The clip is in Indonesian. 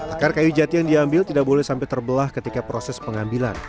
akar kayu jati yang diambil tidak boleh sampai terbelah ketika proses pengambilan